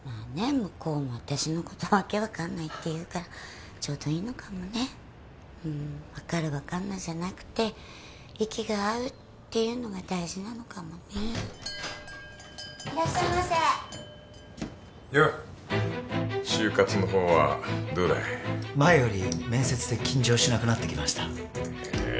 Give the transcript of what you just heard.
向こうも私のことわけ分かんないって言うからちょうどいいのかもねうん分かる分かんないじゃなくて息が合うっていうのが大事なのかもねいらっしゃいませよう就活のほうはどうだい前より面接で緊張しなくなってきましたへえ